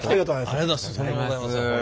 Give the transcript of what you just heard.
とんでもございません。